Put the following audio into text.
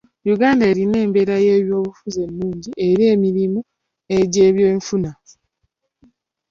Uganda erina embeera y'ebyobufuzi ennungi eri emirimu egy'ebyenfuna.